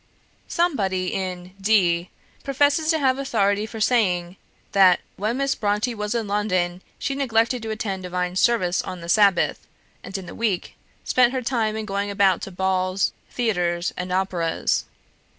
"Somebody in D professes to have authority for saying, that 'when Miss Brontë was in London she neglected to attend Divine service on the Sabbath, and in the week spent her time in going about to balls, theatres, and operas.'